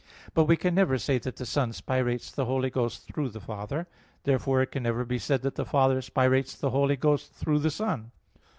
But we can never say that the Son spirates the Holy Ghost through the Father. Therefore it can never be said that the Father spirates the Holy Ghost through the Son.